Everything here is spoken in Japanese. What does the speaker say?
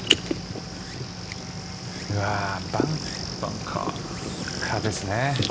バンカーですね。